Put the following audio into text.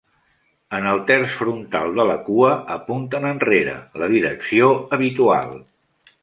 En el terç frontal de la cua, apunten enrere, la direcció habitual.